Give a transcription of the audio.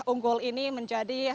unggul ini menjadi